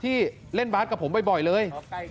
ที่เล่นบาสกับผมบ่อยเลย